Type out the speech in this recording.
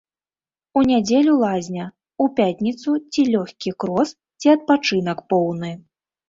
У нядзелю лазня, у пятніцу ці лёгкі крос, ці адпачынак поўны.